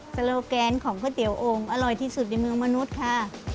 โลแกนของก๋วยเตี๋ยวโอ่งอร่อยที่สุดในเมืองมนุษย์ค่ะ